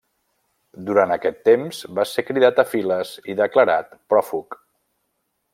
Durant aquest temps va ser cridat a files i declarat pròfug.